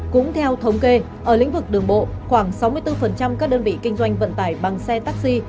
cũng theo thống kê ở lĩnh vực đường bộ khoảng sáu mươi bốn các đơn vị kinh doanh vận tải bằng xe taxi